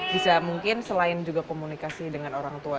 bisa mungkin selain juga komunikasi dengan orang tua